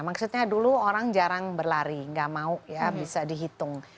maksudnya dulu orang jarang berlari nggak mau ya bisa dihitung